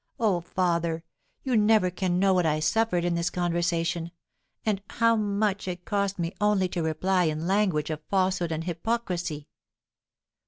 Oh, father, you never can know what I suffered in this conversation, and how much it cost me only to reply in language of falsehood and hypocrisy!"